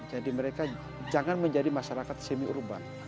jadi mereka jangan menjadi masyarakat semi urban